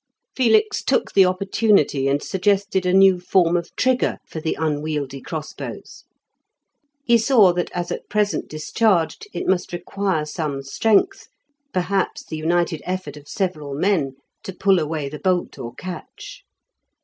Felix took the opportunity and suggested a new form of trigger for the unwieldy crossbows. He saw that as at present discharged it must require some strength, perhaps the united effort of several men, to pull away the bolt or catch.